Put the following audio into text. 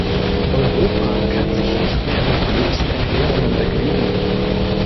Europa kann sich nicht mehr mit bloßen Erklärungen begnügen.